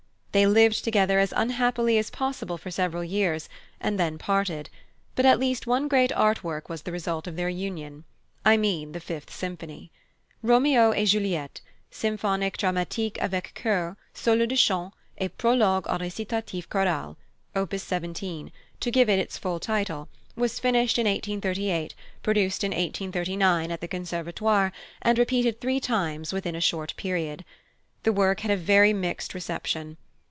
They lived together as unhappily as possible for several years, and then parted; but at least one great art work was the result of their union: I mean the Fifth Symphony. "Roméo et Juliette, symphonic dramatique avec choeurs, solos de chant, et prologue en récitatif choral, op. 17," to give it its full title, was finished in 1838, produced in 1839 at the Conservatoire, and repeated three times within a short period. The work had a very mixed reception.